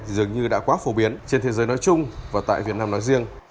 dường như đã quá phổ biến trên thế giới nói chung và tại việt nam nói riêng